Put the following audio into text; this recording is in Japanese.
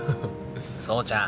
蒼ちゃん